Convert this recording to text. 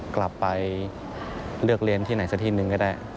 กลับไปเลือกเรียนที่ไหนสักที่หนึ่งก็ได้